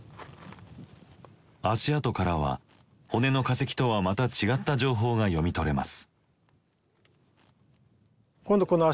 足跡からは骨の化石とはまた違った情報が読み取れます。